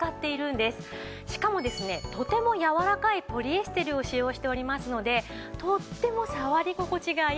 しかもですねとてもやわらかいポリエステルを使用しておりますのでとっても触り心地がいいんです。